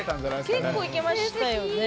結構いけましたよね。